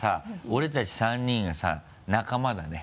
俺たち３人はさ仲間だね。